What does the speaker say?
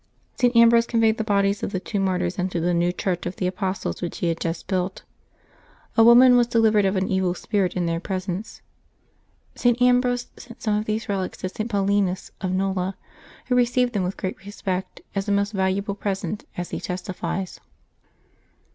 St. Ambrose con 264 LIVES OF THE SAINTS [July 29 veyed the bodies of the two martyrs into the new church of the apostles, which he had just built. A woman was delivered of an evil spirit in their presence. St. Ambrose sent some of these relics to St. Paulinus of !N"ola, who re ceived them with great respect, as a most valuable present, as he testifies.